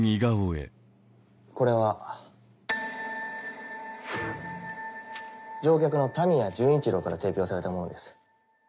これは乗客の田宮淳一郎から提供されたものです。